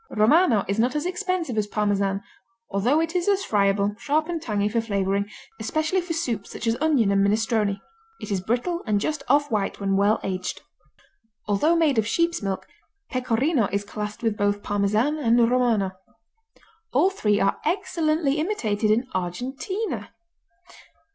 Romano is not as expensive as Parmesan, although it is as friable, sharp and tangy for flavoring, especially for soups such as onion and minestrone. It is brittle and just off white when well aged. Although made of sheep's milk, Pecorino is classed with both Parmesan and Romano. All three are excellently imitated in Argentina.